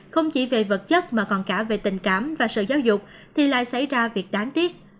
không chỉ về vật chất mà còn cả về tình cảm và sự giáo dục thì lại xảy ra việc đáng tiếc